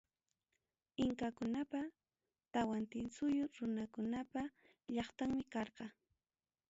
Inkakunapa, Tawantinsuyo runakunapa llaqtanmi karqa.